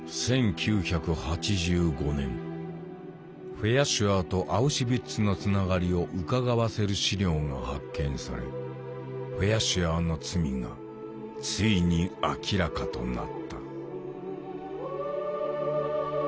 フェアシュアーとアウシュビッツのつながりをうかがわせる資料が発見されフェアシュアーの罪がついに明らかとなった。